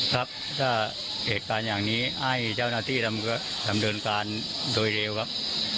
ครับถ้าเหตุการณ์อย่างนี้ให้เจ้าหน้าที่ดำเนินการโดยเร็วครับ